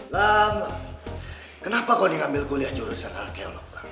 lama kenapa kau diambil kuliah jurusan alkeolog